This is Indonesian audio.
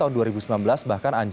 mencatatkan pertumbuhan negatif